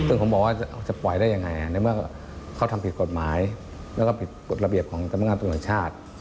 ก็คุณมีความบอกว่าจะปล่อยได้ยังไงในเมื่อเขาทำผิดกฎหมายแล้วก็ผิดกฎระเบียบของกำลังงานปรุงโรงชาติ